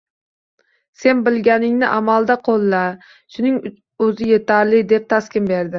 Sen bilganingni amalda qoʻlla, shuning oʻzi yetarli, deb taskin berdi